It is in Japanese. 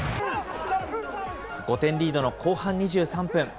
５点リードの後半２３分。